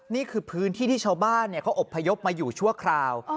นี่คือพื้นที่ที่ชาวบ้านเขาอบพยพมาอยู่ชั่วคราว